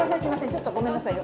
ちょっとごめんなさいよ。